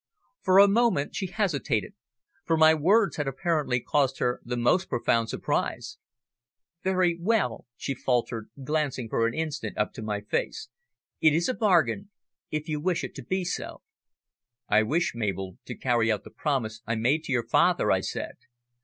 For a moment she hesitated, for my words had apparently caused her the most profound surprise. "Very well," she faltered, glancing for an instant up to my face. "It is a bargain if you wish it to be so." "I wish, Mabel, to carry out the promise I made to your father," I said.